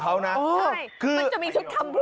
เหลือไม่ทำ